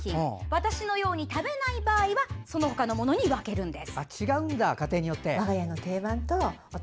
私のように食べない場合はその他のものに分けるんです。